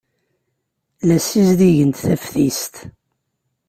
La ssizdigent taftist.